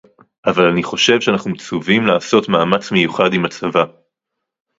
אבל אני חושב שאנחנו מצווים לעשות מאמץ מיוחד עם הצבא